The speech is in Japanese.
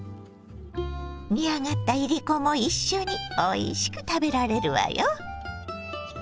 煮上がったいりこも一緒においしく食べられるわよ。